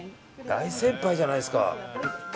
大先輩じゃないですか。